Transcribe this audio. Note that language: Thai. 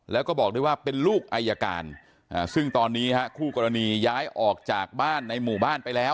แล้วก็บอกด้วยว่าเป็นลูกอายการซึ่งตอนนี้คู่กรณีย้ายออกจากบ้านในหมู่บ้านไปแล้ว